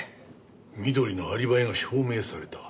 美登里のアリバイが証明された。